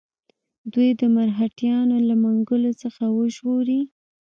دوی د مرهټیانو له منګولو څخه وژغوري.